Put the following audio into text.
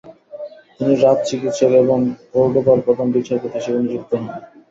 তিনি রাজ চিকিৎসক এবং কর্ডোবার প্রধান বিচারপতি হিসেবে নিযুক্ত হন।